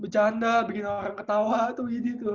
bercanda bikin orang ketawa tuh gini tuh